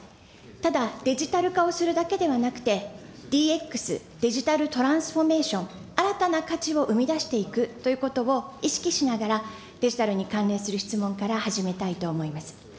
ただ、デジタル化をするだけではなくて、ＤＸ・デジタルトランスフォーメーション、新たな価値を生み出していくということを意識しながらデジタルに関連する質問から始めたいと思います。